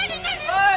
おい！